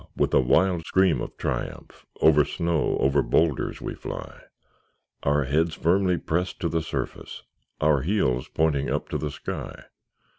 with a wild scream of triumph, Over snow, over boulders we fly, Our heads firmly pressed to the surface, Our heels pointing up to the sky!